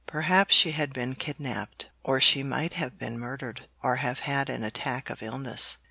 Perhaps she had been kidnapped, or she might have been murdered, or have had an attack of illness.